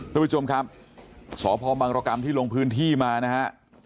ทุกผู้ชมครับสพบังรกรรมที่ลงพื้นที่มานะฮะ